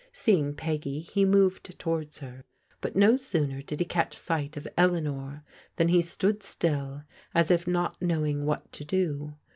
Seeing Peggy he moved towards her, but no sooner did he catch sight of Eleanor than he stood still, as if not knowing what to do.